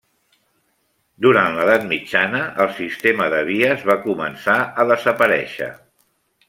Durant l'edat mitjana el sistema de vies va començar a desaparèixer.